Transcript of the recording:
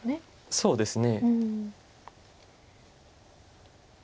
そうですね。